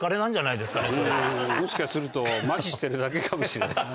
うんもしかすると麻痺してるだけかもしれない。